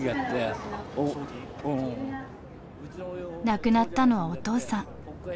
亡くなったのはお父さん。